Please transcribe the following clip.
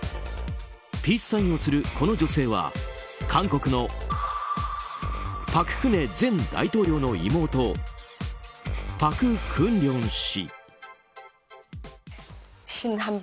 ピースサインをする、この女性は韓国の朴槿惠前大統領の妹朴槿令氏。